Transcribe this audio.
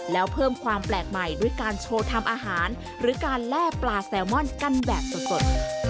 แล้วเพิ่มความแปลกใหม่ด้วยการโชว์ทำอาหารหรือการแล่ปลาแซลมอนกันแบบสด